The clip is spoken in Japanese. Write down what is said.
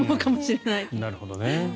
なるほどね。